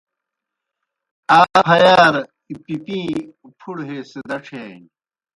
آ پھیارہ پِپِیں پُھڑہ ہے سِدَڇِھیانیْ۔